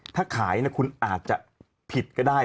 ถ้าขายคุณอาจจะผิดก็ได้